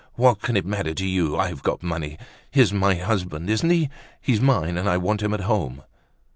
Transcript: What can it matter to you? I've got money. He's my husband, isn't he? He's mine, and I want him at home."